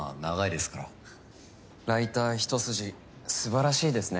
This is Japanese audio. ライター一筋すばらしいですね。